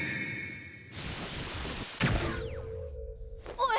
おい！